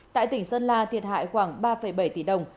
tại tỉnh sơn la thiệt hại khoảng ba bảy tỷ đồng